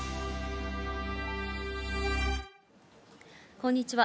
こんにちは。